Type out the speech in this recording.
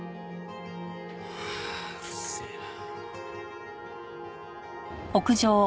はあうるせえな。